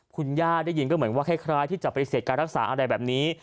คุณย่าได้ยินก็เหมือนว่าคล้ายที่จะไปเสียการรักษาอะไรแบบนี้